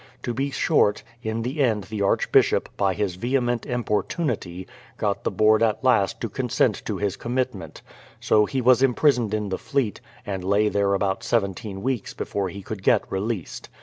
To be short, in the end the Archbishop, by his vehement importunity, got the Board at last to consent to his commitment; so he was imprisoned in the Fleet, and lay there about seventeen weeks before he could get released.